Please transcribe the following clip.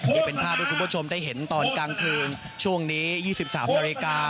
นี่เป็นภาพที่คุณผู้ชมได้เห็นตอนกลางคืนช่วงนี้๒๓นาฬิกา